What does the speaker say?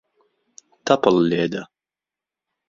تەپڵ لێدە.